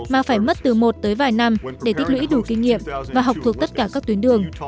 mà phải mất từ một tới vài năm để tích lũy đủ kinh nghiệm và học thuộc tất cả các tuyến đường